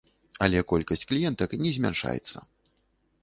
Але колькасць кліентак не змяншаецца.